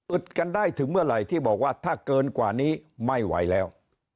กันได้ถึงเมื่อไหร่ที่บอกว่าถ้าเกินกว่านี้ไม่ไหวแล้ว